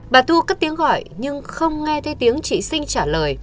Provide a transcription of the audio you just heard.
bà thu cất tiếng gọi nhưng không nghe thấy tiếng chị sinh trả lời